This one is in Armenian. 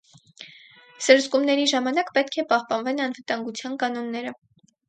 Սրսկումների ժամանակ պետք է պահպանվեն անվտանգության կանոնները։